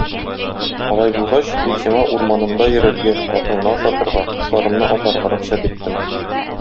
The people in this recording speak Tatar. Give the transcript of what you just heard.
Алай булгач, мин сиңа урманымда йөрергә, атыңны ашатырга, кошларымны атарга рөхсәт иттем.